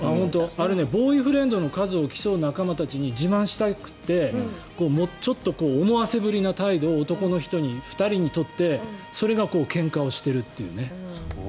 あれ、ボーイフレンドの数を競う仲間たちに自慢したくてちょっと思わせぶりな態度を男の人に２人にとって、それがけんかをしているというね。